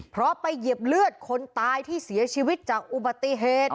เพราะไปเหยียบเลือดคนตายที่เสียชีวิตจากอุบัติเหตุ